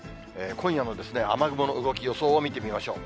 今夜の雨雲の動き、予想を見てみましょう。